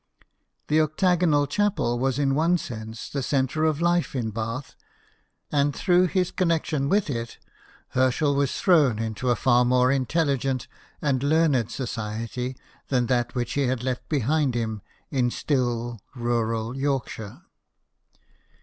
The Octagon Chapel was in one sense the centre of life in Bath ; and through his connection with it, Herschel was thrown into a far more intelligent and learned society than that which he had left behind him in still rural Yorkshire.